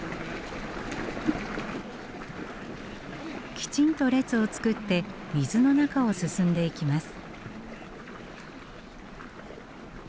きちんと列を作って水の中を進んでいきます。